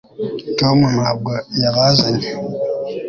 tom ntabwo yabazanye